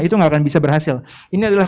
itu nggak akan bisa berhasil ini adalah